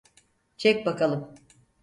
Çek bakalım.